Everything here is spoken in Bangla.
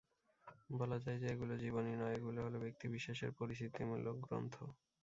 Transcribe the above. বলা যায় যে, এগুলো জীবনী নয়, এগুলো হলো ব্যক্তি বিশেষের পরিচিতিমূলক গ্রন্থ।